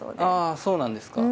あそうなんですか。